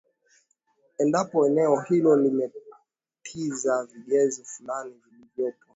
endapo eneo hilo limetiza vigezo fulani vilivyopo